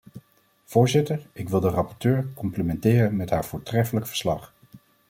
Voorzitter, ik wil de rapporteur complimenteren met haar voortreffelijk verslag.